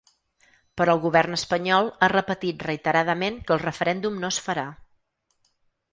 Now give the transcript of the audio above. Però el govern espanyol ha repetit reiteradament que el referèndum no es farà.